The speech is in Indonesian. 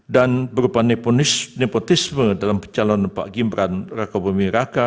dan berupa nepotisme dalam percalon pak gimbran raka bumi raka